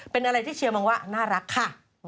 เป็นอะไรที่เชียร์มองว่าน่ารักค่ะ